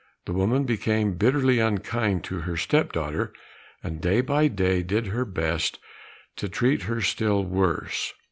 The woman became bitterly unkind to her step daughter, and day by day did her best to treat her still worse.